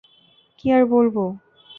কি আর বলব?